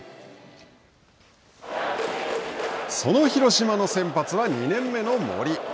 その広島の先発は２年目の森。